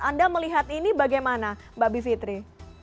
anda melihat ini bagaimana mbak bivitri